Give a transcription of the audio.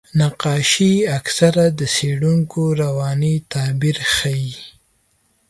نقاشي اکثره د څېړونکو رواني تعبیر ښيي.